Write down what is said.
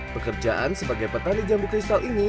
pekerjaan sebagai petani jambu kristal ini